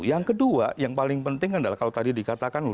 yang kedua yang paling penting adalah kalau tadi dikatakan